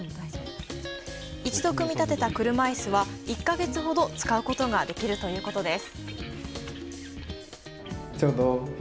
一度、組み立てた車椅子は、１ヶ月ほど使うことができるということです。